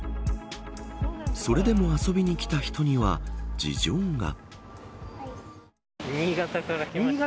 それでも遊びに来た人には事情が。